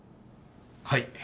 はい。